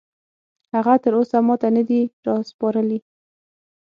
هغه تراوسه ماته نه دي راسپارلي